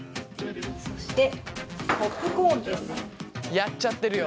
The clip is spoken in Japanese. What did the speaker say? そしてやっちゃってるよ。